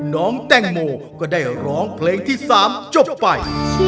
น้องแตงโมก็ได้ร้องเพลงที่๓จบไป